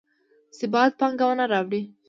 ثبات پانګونه راوړي